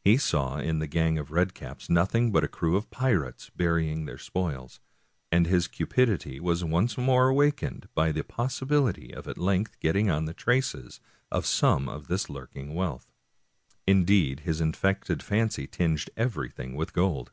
He saw in the gang of red caps nothing but a crew of pirates burying their spoils, and his cupidity was once more awakened by the possibility of at length getting on the traces of some of this lurking wealth. Indeed, his infected fancy tinged everything with gold.